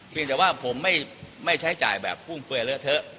เพียงแต่ว่าผมไม่ไม่ใช้จ่ายแบบกุ้งเผยเลอะเทอะ